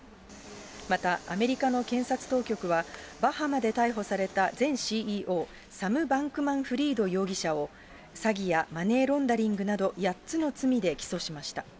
また、アメリカの検察当局は、バハマで逮捕された前ＣＥＯ、サム・バンクマン・フリード容疑者を、詐欺やマネーロンダリングなど８つの罪で起訴しました。